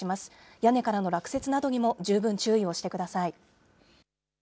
屋根からの落雪などにも十分注意をしてください。